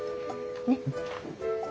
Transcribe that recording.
ねっ。